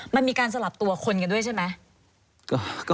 มันมีการสลับตัวคนกันด้วยใช่ไหม